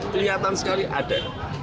kelihatan sekali ada